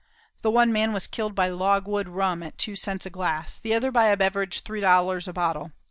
The one man was killed by logwood rum at two cents a glass, the other by a beverage three dollars a bottle.